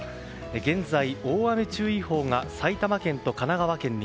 現在、大雨注意報が埼玉県と神奈川県に。